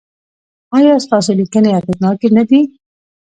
ایا ستاسو لیکنې اغیزناکې نه دي؟